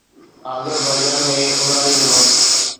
Azerbaijan ۾ اونهاري جو وقت